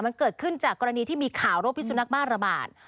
มันเกิดขึ้นจากกรณีที่มีข่าวโรคพิสุนักบ้าระบาด